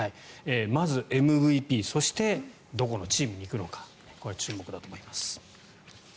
まず、ＭＶＰそしてどこのチームに行くのか注目だと思います。